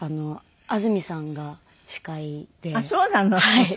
はい。